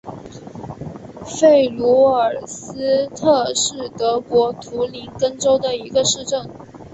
弗卢尔斯特是德国图林根州的一个市镇。